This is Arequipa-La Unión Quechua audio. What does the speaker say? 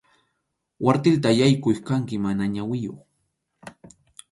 Kwartilta yaykuq kanki mana ñawiyuq.